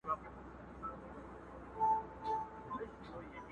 ته مي نه ویني په سترګو نه مي اورې په غوږونو!.